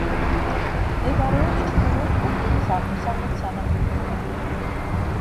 მდებარეობს ჩრდილოეთ კუნძულის აღმოსავლეთ სანაპიროსთან.